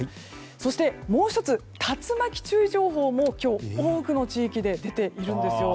そして、もう１つ竜巻注意情報も今日、多くの地域で出ているんです。